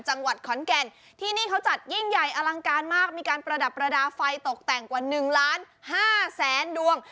จังหวัดขอนแก่นที่นี่เขาจัดยิ่งใหญ่อลังการมากมีการประดับประดาษไฟตกแต่งกว่า๑ล้านห้าแสนดวง